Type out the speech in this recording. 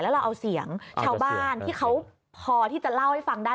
แล้วเราเอาเสียงชาวบ้านที่เขาพอที่จะเล่าให้ฟังได้